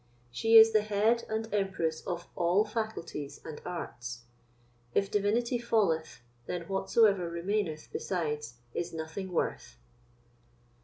She is the head and empress of all faculties and arts. If Divinity falleth, then whatsoever remaineth besides is nothing worth.